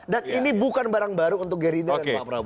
dan ini bukan barang baru untuk gerindra dan pak prabowo